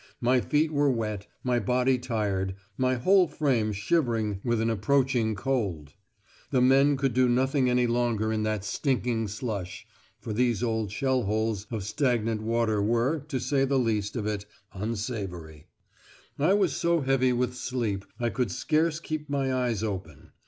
My feet were wet, my body tired, my whole frame shivering with an approaching cold. The men could do nothing any longer in that stinking slush (for these old shell holes of stagnant water were, to say the least of it, unsavoury!). I was so heavy with sleep I could scarce keep my eyes open.